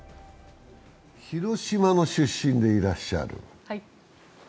広島の出身でいらっしゃる。